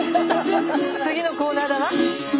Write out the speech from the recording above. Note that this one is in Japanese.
次のコーナーだわ。